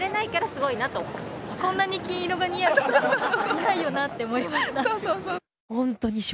こんなに金色が似合う２人いないよなって思いました。